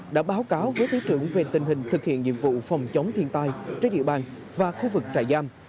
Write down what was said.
đã báo cáo với thứ trưởng về tình hình thực hiện nhiệm vụ phòng chống thiên tai trên địa bàn và khu vực trại giam